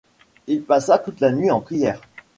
Il passa toute la nuit en prière.